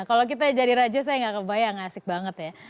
kalau kita jadi raja saya gak kebayang asik banget ya